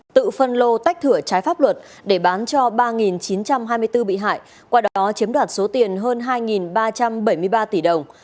tự phân lô tách thửa trái pháp luật để bán cho ba chín trăm hai mươi bốn bị hại qua đó chiếm đoạt số tiền hơn hai ba trăm bảy mươi ba tỷ đồng